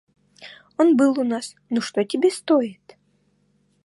Он был у нас. Ну, что тебе стоит?